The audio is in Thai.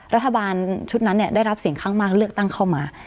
รัฐบาลชุดนั้นได้รับเสียงข้างมากเลือกตั้งเข้ามา